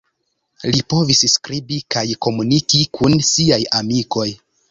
Li povis skribi kaj komuniki kun siaj amikoj.